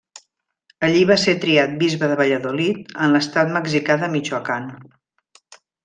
Allí va ser triat bisbe de Valladolid, en l'estat mexicà de Michoacán.